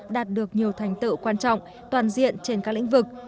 đạt được nhiều thành tựu quan trọng toàn diện trên các lĩnh vực